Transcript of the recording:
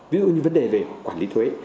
ví dụ như vấn đề về quản lý thuế